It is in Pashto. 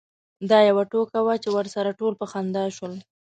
دا یوه ټوکه وه چې ورسره ټول په خندا شول.